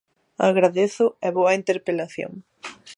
Agradézoo e vou á interpelación.